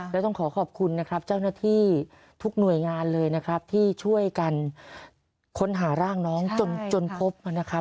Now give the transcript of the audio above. แล้วต้องขอขอบคุณนะครับเจ้าหน้าที่ทุกหน่วยงานเลยนะครับที่ช่วยกันค้นหาร่างน้องจนพบนะครับ